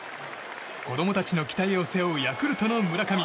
子供たちの期待を背負うヤクルトの村上。